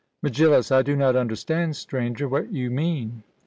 MEGILLUS: I do not understand, Stranger, what you mean.